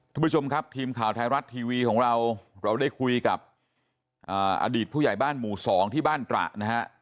ท่านผู้ชมครับทีมข่าวไทยรัฐทีวีของเราเราได้คุยกับอดีตผู้ใหญ่บ้านหมู่๒ที่บ้านตระนะฮะ